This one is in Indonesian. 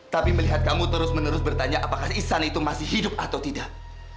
tapi melihat kamu terus menerus bertanya apakah ihsan itu masih hidup atau tidak